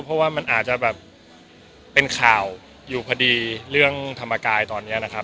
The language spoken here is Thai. เพราะว่ามันอาจจะแบบเป็นข่าวอยู่พอดีเรื่องธรรมกายตอนนี้นะครับ